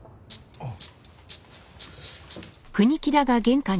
あっ。